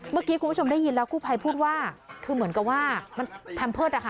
เมื่อกี้คุณผู้ชมได้ยินแล้วกู้ภัยพูดว่าคือเหมือนกับว่ามันแพมเพิร์ตอะค่ะ